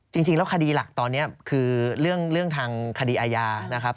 จริงแล้วคดีหลักตอนนี้คือเรื่องทางคดีอาญานะครับ